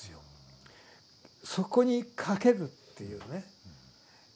そこに賭けるっていうね。